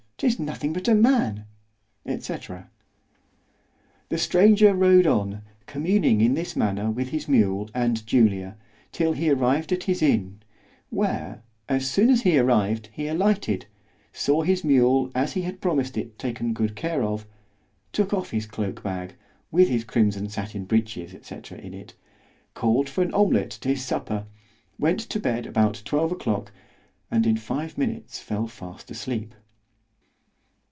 ——'tis nothing but a man, &c. The stranger rode on communing in this manner with his mule and Julia—till he arrived at his inn, where, as soon as he arrived, he alighted——saw his mule, as he had promised it, taken good care of——took off his cloak bag, with his crimson sattin breeches, &c. in it—called for an omelet to his supper, went to his bed about twelve o'clock, and in five minutes fell fast asleep.